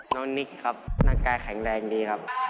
นิกครับร่างกายแข็งแรงดีครับ